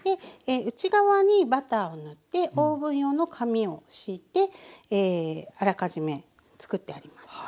内側にバターを塗ってオーブン用の紙を敷いてあらかじめつくってあります。